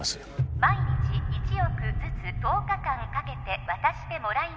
毎日１億ずつ１０日間かけて渡してもらいます